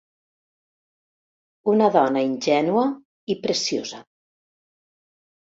Una dona ingènua i preciosa.